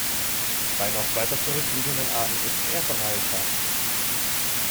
Bei noch weiter zurückliegenden Arten ist er breiter.